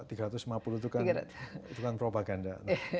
tiga ratus lima puluh itu kan propaganda